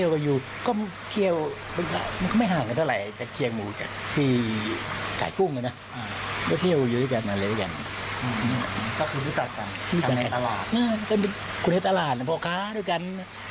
คุณในตลาดเพราะว่าค้าด้วยกัน